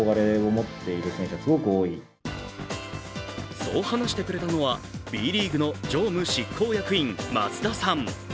そう話してくれたのは、Ｂリーグの常務執行役員、増田さん。